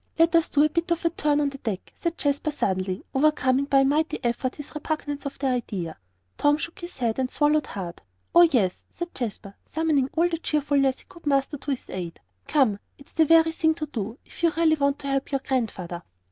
"Let us do a bit of a turn on the deck," said Jasper, suddenly, overcoming by a mighty effort his repugnance to the idea. Tom shook his head, and swallowed hard. "Oh, yes," said Jasper, summoning all the cheerfulness he could muster to his aid. "Come, it's the very thing to do, if you really want to help your Grandfather."